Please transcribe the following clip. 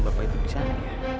bapak itu di sana